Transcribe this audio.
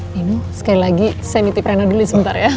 minu sekali lagi saya nitip rena dulu sebentar ya